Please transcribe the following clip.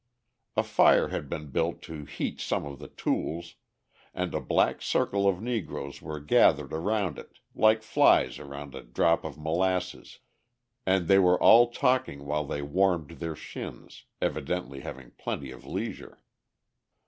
A fire had been built to heat some of the tools, and a black circle of Negroes were gathered around it like flies around a drop of molasses and they were all talking while they warmed their shins evidently having plenty of leisure.